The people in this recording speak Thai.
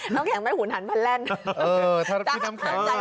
น้ำแขงไม่หุ่นทานพันแหล่นเออ